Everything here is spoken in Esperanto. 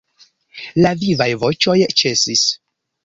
La vivaj voĉoj ĉesis.